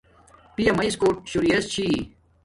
پیا مید کوٹ شوریش چھی